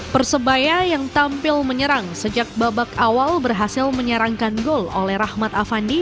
persebaya yang tampil menyerang sejak babak awal berhasil menyerangkan gol oleh rahmat afandi